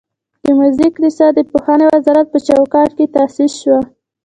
د موزیک لیسه د پوهنې وزارت په چوکاټ کې تاسیس شوه.